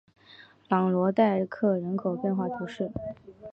朗罗代克人口变化图示